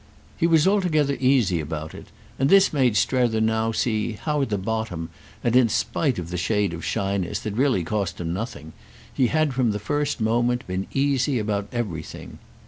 He was altogether easy about it, and this made Strether now see how at bottom, and in spite of the shade of shyness that really cost him nothing, he had from the first moment been easy about everything.